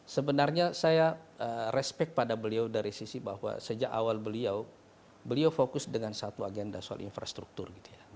sebenarnya saya respect pada beliau dari sisi bahwa sejak awal beliau beliau fokus dengan satu agenda soal infrastruktur